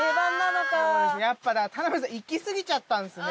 だから田辺さんいきすぎちゃったんですね